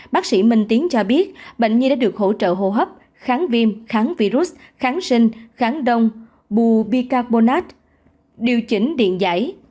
bác sĩ minh tiến cho biết bệnh nhi đã được hỗ trợ hô hấp kháng viêm kháng virus kháng sinh kháng đông bù bi carbonate điều chỉnh điện giải